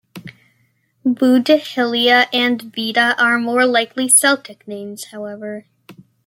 Boudihillia and Beda are more likely Celtic names however.